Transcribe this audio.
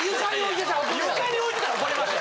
床に置いてたら怒りますよ